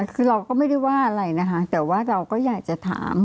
คือเราก็ไม่ได้ว่าอะไรนะคะแต่ว่าเราก็อยากจะถาม